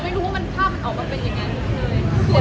ไม่รู้ว่ามันภาพมันออกมาเป็นยังไง